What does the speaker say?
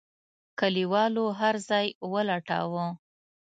کليوالو هرځای ولټاوه.